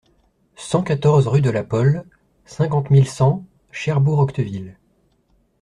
cent quatorze rue de la Polle, cinquante mille cent Cherbourg-Octeville